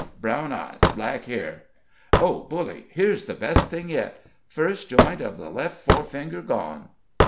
'brown eyes, black hair' oh, bully! here's the best thing yet! 'first joint of the left fore finger gone.'"